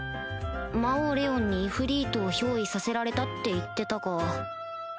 魔王レオンにイフリートを憑依させられたって言ってたが